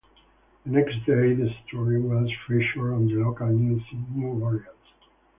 The next day, the story was featured on the local news in New Orleans.